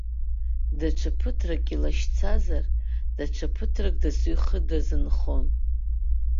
Даҽа ԥыҭрак илашьцазар, даҽа ԥыҭрак досу ихы дазынхон.